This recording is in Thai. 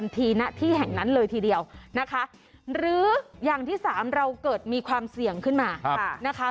ณที่แห่งนั้นเลยทีเดียวนะคะหรืออย่างที่สามเราเกิดมีความเสี่ยงขึ้นมานะคะ